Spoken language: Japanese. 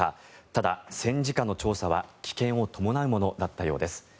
ただ、戦時下の調査は危険を伴うものだったようです。